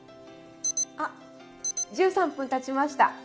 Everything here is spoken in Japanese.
あっ１３分たちました。